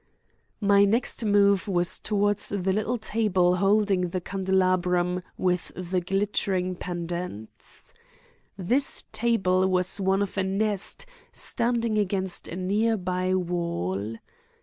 My next move was toward the little table holding the candelabrum with the glittering pendants. This table was one of a nest standing against a near by wall.